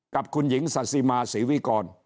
กับคุณหญิงสาธิมาศรีวิกร